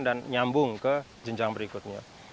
dan nyambung ke jenjang berikutnya